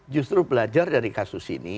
justru belajar dari kasus ini